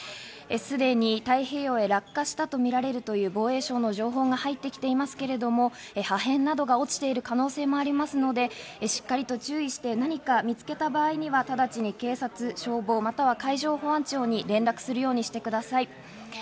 すでに太平洋へ落下したとみられるという防衛省の情報が入ってきていますけれども、破片などが落ちている可能性もありますので、しっかりと注意して、何か見つけた場合には直ちに警察、消防または海上保安庁に連絡するようにしてください。